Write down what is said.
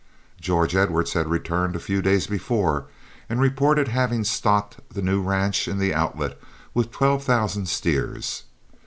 George Edwards had returned a few days before and reported having stocked the new ranch in the Outlet with twelve thousand steers.